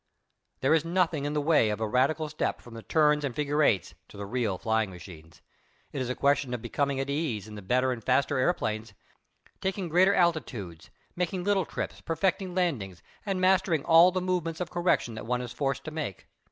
There is nothing in the way of a radical step from the turns and figure eights to the real flying machines. It is a question of becoming at ease in the better and faster airplanes taking greater altitudes, making little trips, perfecting landings, and mastering all the movements of correction that one is forced to make.